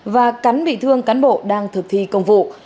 và cắn bị thương cán bộ đang thực thi công vụ